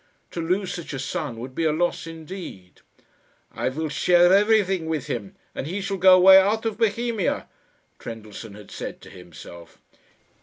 To lose such a son would be a loss indeed. "I will share everything with him, and he shall go away out of Bohemia," Trendellsohn had said to himself.